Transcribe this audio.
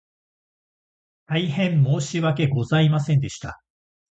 大変申し訳ございませんでした